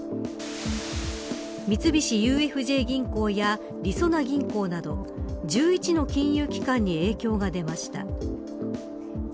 三菱ＵＦＪ銀行やりそな銀行など１１の金融機関に影響が出ました。